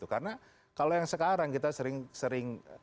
karena kalau yang sekarang kita sering